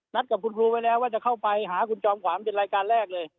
นัดกับคุณครูไว้แล้วว่าจะเข้าไปหาคุณจอมขวานเป็นรายการแรกเลย